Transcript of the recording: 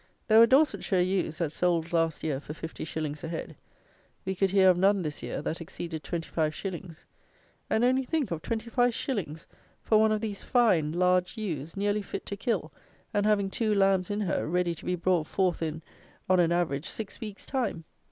There were Dorsetshire ewes that sold last year, for 50_s._ a head. We could hear of none this year that exceeded 25_s._ And only think of 25_s._ for one of these fine, large ewes, nearly fit to kill, and having two lambs in her, ready to be brought forth in, on an average, six weeks' time!